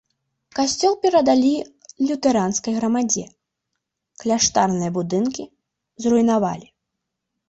Касцёл перадалі лютэранскай грамадзе, кляштарныя будынкі зруйнавалі.